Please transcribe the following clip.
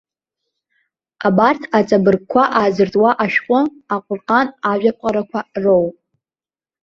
Абарҭ аҵабыргқәа аазыртуа ашәҟәы Аҟәырҟан ажәаԥҟарақәа роуп.